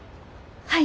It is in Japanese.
はい。